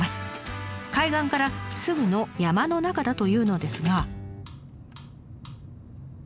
海岸からすぐの山の中だというのですが。